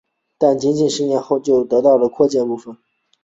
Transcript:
但仅仅十年后图书馆就已用满了扩建部分。